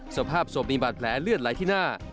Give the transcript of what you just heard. สภาพศพมีบาดแผลเลือดไหลที่หน้า